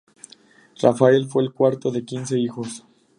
Rafael fue el cuarto de quince hijos.